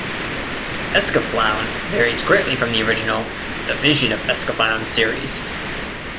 "Escaflowne" varies greatly from the original "The Vision of Escaflowne" series.